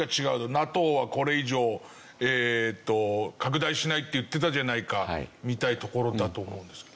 ＮＡＴＯはこれ以上拡大しないって言ってたじゃないかみたいなところだと思うんですけど。